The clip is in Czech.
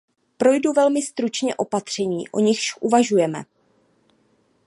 Projdu velmi stručně opatření, o nichž uvažujeme.